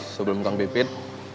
sebelum kang pipit